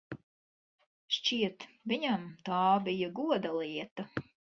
Šķiet, viņam tā bija goda lieta.